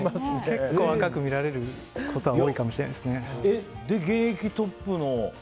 結構若く見られることは多いかもしれないですね。